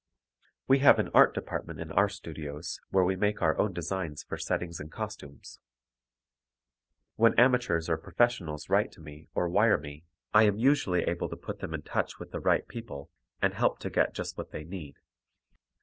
We have an art department in our studios where we make our own designs for settings and costumes. When amateurs or professionals write to me or wire me, I am usually able to put them in touch with the right people and help to get just what they need.